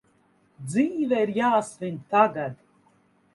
Dzīve ir jāsvin tagad!